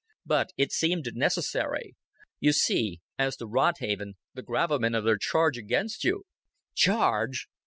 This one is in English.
But it seemed necessary. You see, as to Rodhaven, the gravamen of their charge against you " "Charge!"